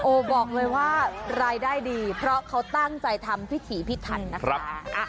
บอกเลยว่ารายได้ดีเพราะเขาตั้งใจทำพิถีพิถันนะคะ